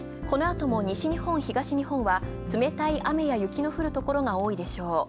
このあとも西日本、東日本は冷たい雨や雪がふるところが多いでしょう。